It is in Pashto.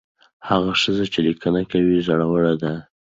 هغه ښځه چې لیکنې کوي زړوره ده.